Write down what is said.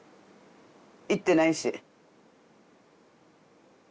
言ってないし。